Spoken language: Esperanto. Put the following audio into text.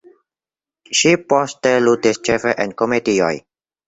Ŝi poste ludis ĉefe en komedioj.